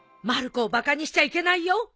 まる子をバカにしちゃいけないよ！